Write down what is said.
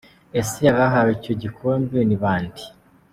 Ese abahawe icyo gikombe ni bande?